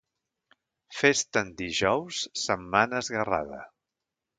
Festa en dijous, setmana esguerrada.